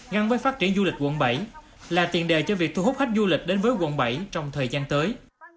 ngăn với phát triển du lịch quận bảy là tiền đề cho việc thu hút khách du lịch đến với quận bảy trong thời gian tới